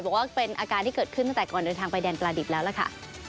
บอกว่าเป็นอาการที่เกิดขึ้นตั้งแต่ก่อนเดินทางไปแดนปลาดิบแล้วล่ะค่ะ